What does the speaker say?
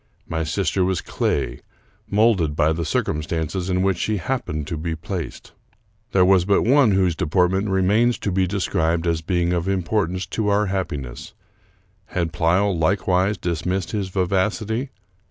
My sister was clay, molded by the circumstances in which she happened to be placed. There was but one whose de portment remains to be described as being of importance to our happiness. Had Pleyel likewise dismissed his vivacity?